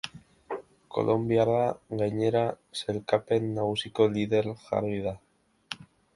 Kolonbiarra, gainera, sailkapen nagusiko lider jarri da.